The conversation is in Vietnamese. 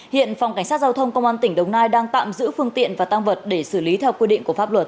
hiện phòng cảnh sát giao thông công an tỉnh đồng nai đang tạm giữ phương tiện và tăng vật để xử lý theo quy định của pháp luật